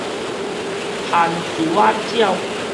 番薯仔鳥